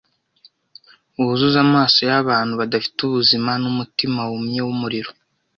Wuzuze amaso yabantu badafite ubuzima numutima wumye wumuriro.